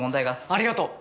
ありがとう！